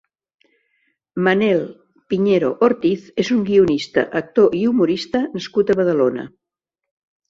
Manel Piñero Ortiz és un guionista, actor i humorista nascut a Badalona.